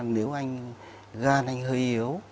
nếu anh gan anh hơi yếu